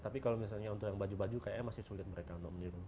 tapi kalau misalnya untuk yang baju baju kayaknya masih sulit mereka untuk meniru